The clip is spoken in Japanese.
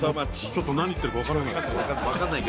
ちょっと何言ってるか分からない。